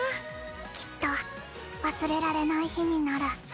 きっと忘れられない日になる。